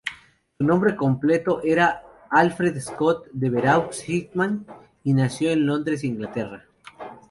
Su nombre completo era Alfred Scott Devereux Hickman, y nació en Londres, Inglaterra.